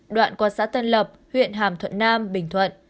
đoạn qua xã tân lập huyện hàm thuận nam bình thuận